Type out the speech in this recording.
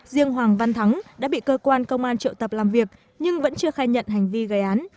riêng hoàng văn thắng đã bị cơ quan công an triệu tập làm việc nhưng vẫn chưa khai nhận hành vi gây án